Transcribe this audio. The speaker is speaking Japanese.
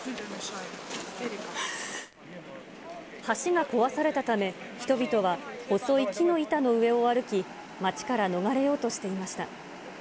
橋が壊されたため、人々は細い木の板の上を歩き、町から逃れようとしていました。